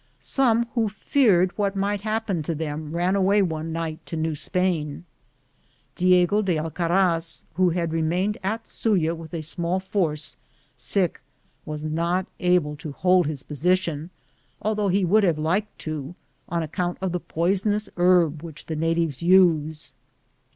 Some who feared what might happen to them ran away one night to New Spain. Diego de Alcaraz, who had remained at Suya with a small sit, Google THE JOURNEY OP COBONADO force, sick, was not able to hold his position, although he would have liked to, on account of the poisonous herb which the natives use.